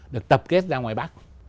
được tập kết ra ngoài bắc